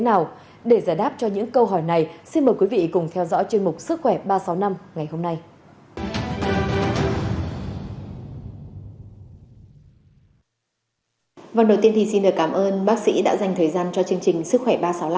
vâng đầu tiên thì xin được cảm ơn bác sĩ đã dành thời gian cho chương trình sức khỏe ba trăm sáu mươi năm